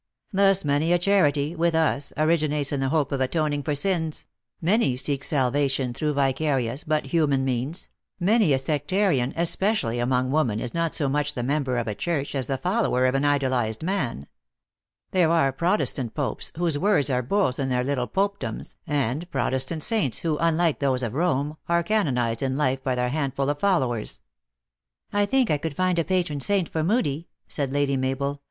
Thus many a charity, with us, originates in the hope of atoning for sins ; many seek salvation through vicarious but human means ; many a sectarian, especially among women is not so much the member of a church, as the follower of an idolized man. There are P)testant popes, whose words are bulls in their little popedoms, and Protestant saints who, unlike those of Rome, are canonized in life by their handful of followers." U I think I could find a patron saint for Moodie," said Lady Mabel.